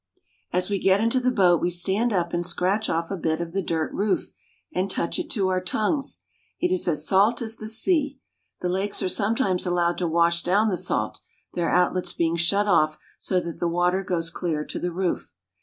As we get into the boat we stand up and scratch off a bit of the dirt roof, and touch it to our tongues. It is as salt as the sea. The lakes are sometimes allowed to wash down the salt, their outlets being shut off so that the water goes clear to the roof.